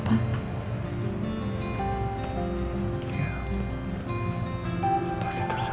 udah tidur sana